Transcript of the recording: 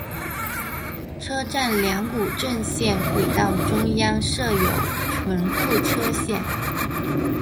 车站两股正线轨道中央设有存车线。